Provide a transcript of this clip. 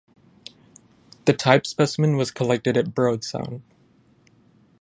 The type specimen was collected at Broad Sound.